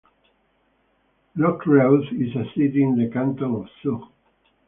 Rotkreuz is a city in the canton of Zug.